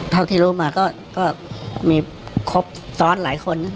เท่าที่รู้มาก็มีครบซ้อนหลายคน